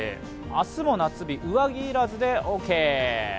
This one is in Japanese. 明日も夏日、上着要らずでオーケー。